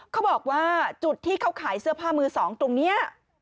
เขาบอกว่าจุดที่เขาขายเสื้อผ้ามือสองตรงนี้